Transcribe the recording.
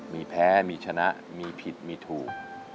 มีแพ้มีชนะมีผิดมีถูก